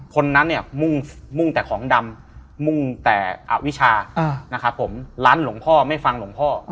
คนนั้นเนี่ยมุ่งมุ่งแต่ของดำมุ่งแต่อวิชานะครับผมร้านหลวงพ่อไม่ฟังหลวงพ่อ